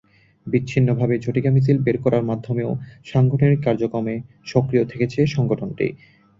বিচ্ছিন্নভাবে ঝটিকা মিছিল বের করার মাধ্যমেও সাংগঠনিক কার্যক্রমে সক্রিয় থেকেছে সংগঠনটি।